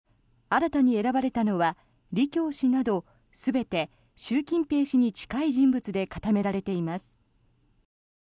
新たに選ばれたのはリ・キョウ氏など全て習近平氏に近い人物で固められています。